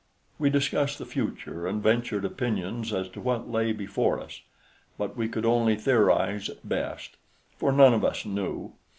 We discussed the future and ventured opinions as to what lay before us; but we could only theorize at best, for none of us knew.